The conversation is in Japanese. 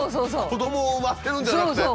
子どもを産ませるんじゃなくて？